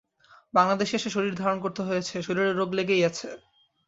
বাঙলাদেশে এসে শরীর ধারণ করতে হয়েছে, শরীরে রোগ লেগেই আছে।